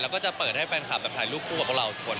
แล้วก็จะเปิดให้แฟนคลับแบบถ่ายรูปคู่กับพวกเราทุกคน